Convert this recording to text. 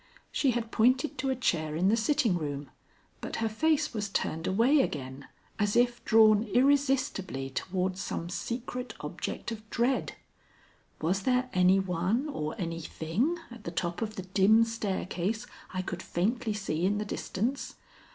She had pointed to a chair in the sitting room, but her face was turned away again as if drawn irresistibly toward some secret object of dread. Was there anyone or anything at the top of the dim staircase I could faintly see in the distance?